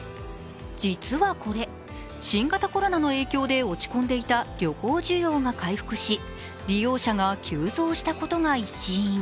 実はこれ新型コロナの影響で落ち込んでいた旅行需要が回復し利用者が急増したことが一因。